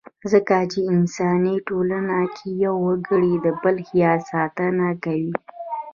ځکه چې انساني ټولنه کې يو وګړی د بل خیال ساتنه کوي.